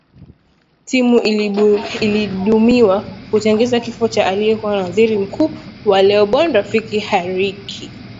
tume iliyobuniwa kuchunguza kifo cha aliyekuwa waziri mkuu wa lebanon rafik hariri